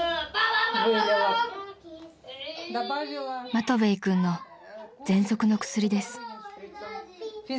［マトヴェイ君のぜんそくの薬です］